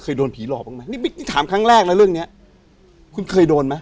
เคยโดนผีหลอกบ้างไหมนี่ถามครั้งแรกนะเรื่องเนี้ยคุณเคยโดนไหม